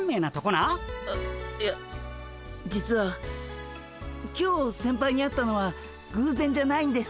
えいや実は今日先輩に会ったのはぐうぜんじゃないんです。